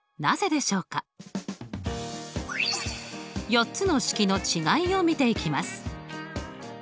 ４つの式の違いを見ていきます。